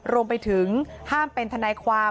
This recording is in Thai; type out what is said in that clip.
รวมไปถึงห้ามเป็นทนายความ